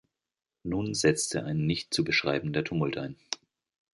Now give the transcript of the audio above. Nun setzte ein nicht zu beschreibender Tumult ein.